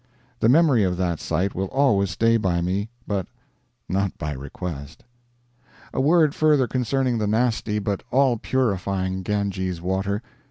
The memory of that sight will always stay by me; but not by request. A word further concerning the nasty but all purifying Ganges water.